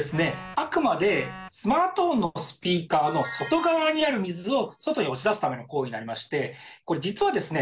あくまでスマートフォンのスピーカーの外側にある水を外に押し出すための行為になりましてこれ実はですね